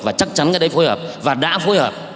và chắc chắn cái đấy phối hợp và đã phối hợp